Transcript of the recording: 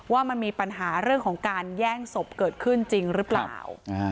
ว่ามันมีปัญหาเรื่องของการแย่งศพเกิดขึ้นจริงหรือเปล่า